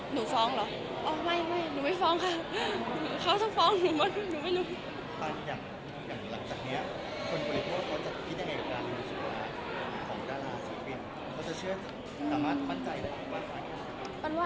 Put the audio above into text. หนูฟ้องเหรออ้อไม่หนูไม่ฟ้องค่ะเขาจะฟ้องหนูหนูไม่รู้